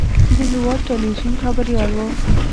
د هېواد تلویزیون خبریال و.